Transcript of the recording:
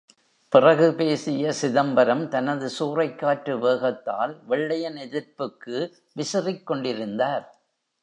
பிறகு பேசிய சிதம்பரம் தனது சூறைக் காற்று வேகத்தால் வெள்ளையன் எதிர்ப்புக்கு விசிறிக் கொண்டிருந்தார்.